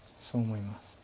そう思います。